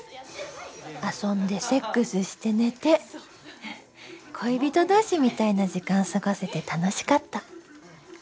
遊んでセックスして寝て恋人同士みたいな時間過ごせて楽しかった